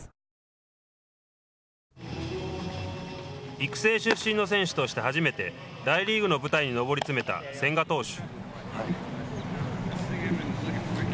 育成出身の選手として初めて大リーグの舞台に登り詰めた千賀投手。